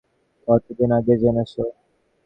কতদিন আগে জেনেছ?